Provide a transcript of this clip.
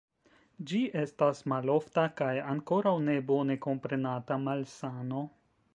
Ĝi estas malofta kaj ankoraŭ ne bone komprenata malsano.